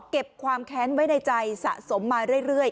ความแค้นไว้ในใจสะสมมาเรื่อย